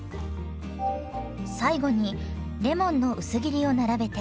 最後にレモンの薄切りを並べて。